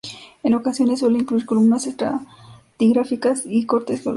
En ocasiones suele incluir columnas estratigráficas y cortes geológicos.